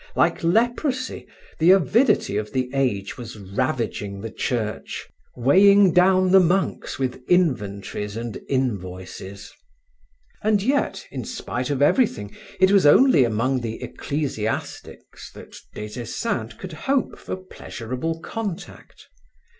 Like leprosy, the avidity of the age was ravaging the Church, weighing down the monks with inventories and invoices. And yet, in spite of everything, it was only among the ecclesiastics that Des Esseintes could hope for pleasurable contract.